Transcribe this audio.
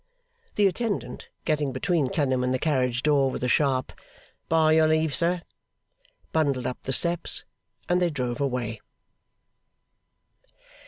The attendant, getting between Clennam and the carriage door, with a sharp 'By your leave, sir!' bundled up the steps, and they drove away.